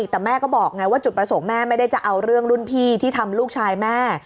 แต่แม่ก็บอกไงว่าจุดประสงค์แม่ไม่ได้จะเอาเรื่องรุ่นพี่ที่ทำลูกชายแม่